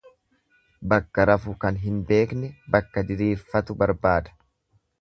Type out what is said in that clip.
Bakka rafu kan hin qabne bakka diriirfatu barbaada.